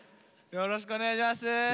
よろしくお願いします。